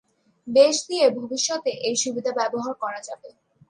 Base দিয়ে ভবিষ্যতে এই সুবিধা ব্যবহার করা যাবে।